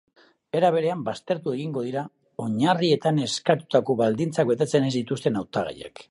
Era berean, baztertu egingo dira oinarrietan eskatutako baldintzak betetzen ez dituzten hautagaiak.